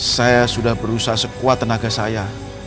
saya sudah berusaha sekuat tenaga saya